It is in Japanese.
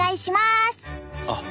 あっ